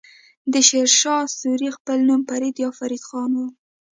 د شير شاه سوری خپل نوم فريد يا فريد خان وه.